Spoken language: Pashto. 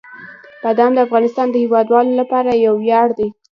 بادام د افغانستان د هیوادوالو لپاره یو ویاړ دی.